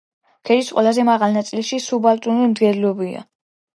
ქედის ყველაზე მაღალ ნაწილში სუბალპური მდელოებია.